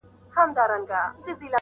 په دعا او په تسلیم يې کړ لاس پورته٫